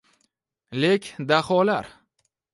Lek daholar